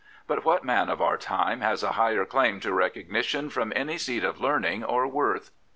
But what man of our time has a higher claim to recognition from any seat of learning or worth